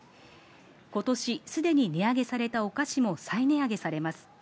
今年すでに値上げされたお菓子も再値上げされます。